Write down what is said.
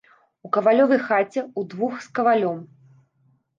У кавалёвай хаце, удвух з кавалём.